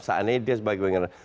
seandainya dia sebagai winger